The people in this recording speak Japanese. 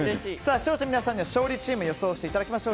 視聴者の皆さんには勝利チームを予想していただきましょう。